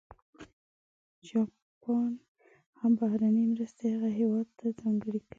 جاپان هم بهرنۍ مرستې هغه هېوادونه ته ځانګړې کوي.